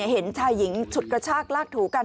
เห็นชายหญิงฉุดกระชากลากถูกัน